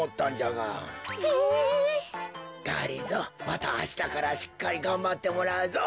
またあしたからしっかりがんばってもらうぞ。